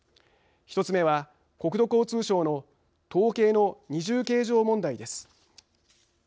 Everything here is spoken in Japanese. １つ目は、国土交通省の統計の二重計上問題です。